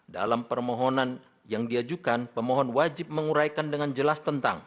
dalam permohonan yang diajukan pemohon wajib menguraikan dengan jelas tentang